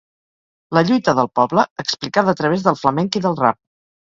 La lluita del poble, explicada a través del flamenc i del rap.